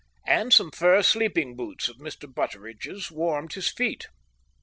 And some fur sleeping boots of Mr. Butteridge's warmed his feet.